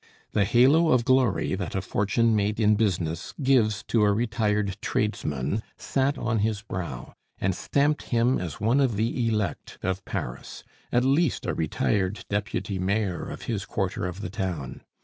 The halo of glory that a fortune made in business gives to a retired tradesman sat on his brow, and stamped him as one of the elect of Paris at least a retired deputy mayor of his quarter of the town.